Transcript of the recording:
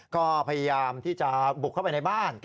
ก็พยายามที่จะบุกเข้าไปในบ้าน